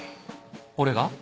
俺が？